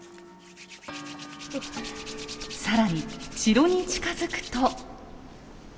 更に城に近づくと。